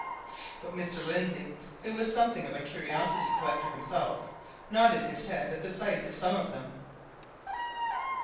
But Mr. Lindsey, who was something of a curiosity collector himself, nodded his head at the sight of some of them.